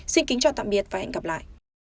xin kính chào tạm biệt và hẹn gặp lại